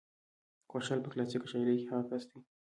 خوشال په کلاسيکه شاعرۍ کې هغه کس دى